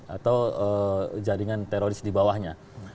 atau jaringan teroris di bawahnya